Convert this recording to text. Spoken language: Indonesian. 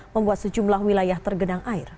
membuat sejumlah wilayah tergenang air